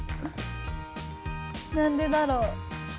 何でだろう？